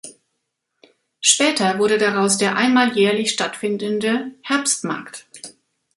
Später wurde daraus der einmal jährlich stattfindende Herbstmarkt.